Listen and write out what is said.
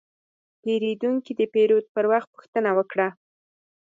پیرودونکی د پیرود پر وخت پوښتنه وکړه.